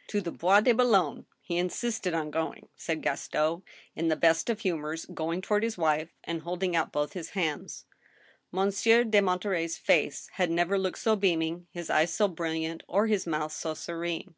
" To the Bois de Boulogne ; he insisted on going," said Gaston, in the best of humors, going toward his wife, and holding out both his hands. Monsieur de Monterey's face had never looked so beaming, his eyes so brilliant, or his mouth so serene.